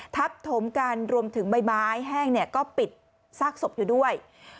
ถมกันรวมถึงใบไม้แห้งก็ปิดซากศพอยู่ด้วย